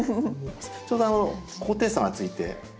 ちょうど高低差がついて。